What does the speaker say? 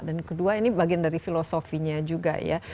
dan kedua ini bagian dari filosofinya juga ya